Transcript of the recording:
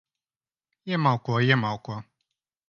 Iemalko. Iemalko.